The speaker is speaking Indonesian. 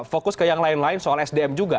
fokus ke yang lain lain soal sdm juga